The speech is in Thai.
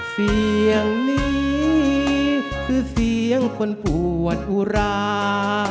เสียงนี้คือเสียงคนปวดอุรา